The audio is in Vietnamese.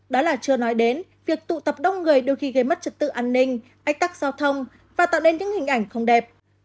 đó là chưa nói đến việc tụ tập đông người đôi khi gây mất trật tự an ninh ách tắc giao thông và tạo nên những hình ảnh không đẹp